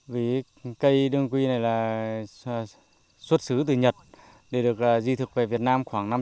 vì cây đương quy này là xuất xứ từ nhật để được di thực về việt nam khoảng năm mươi